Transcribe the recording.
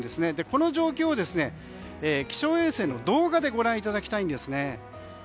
この状況を気象衛星の動画でご覧いただきたいんですね。